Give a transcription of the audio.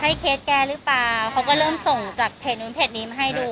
เคสแกหรือเปล่าเขาก็เริ่มส่งจากเพจนู้นเพจนี้มาให้ดู